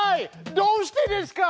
どうしてですか！